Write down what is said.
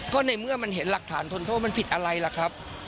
ก็ในเมื่อมันเห็นหลักฐานทนโทษมันผิดอะไรล่ะครับ